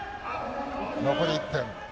残り１分。